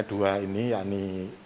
dua ini yang di